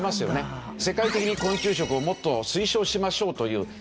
世界的に昆虫食をもっと推奨しましょうという